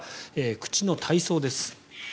口の体操です。